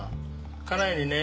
家内にね